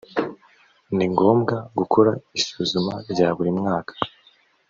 ni ngombwa gukora isuzuma rya buri mwaka